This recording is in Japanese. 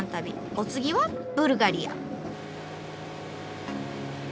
お次はブルガリア。